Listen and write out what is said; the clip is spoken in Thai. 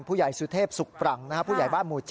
ผู้ใหญ่สุเทพสุขปรังผู้ใหญ่บ้านหมู่๗